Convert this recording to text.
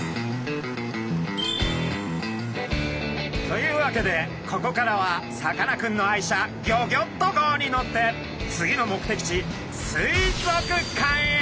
というわけでここからはさかなクンの愛車ギョギョッと号に乗って次の目的地水族館へ。